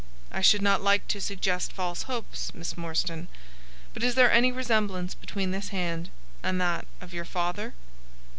I should not like to suggest false hopes, Miss Morstan, but is there any resemblance between this hand and that of your father?"